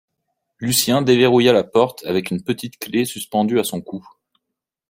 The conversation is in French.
Lucien déverrouilla la porte avec une petite clé suspendue à son cou.